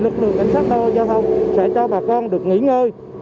cảnh sát đo giao thông sẽ cho bà con được nghỉ ngơi